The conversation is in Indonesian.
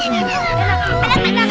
enak enak enak enak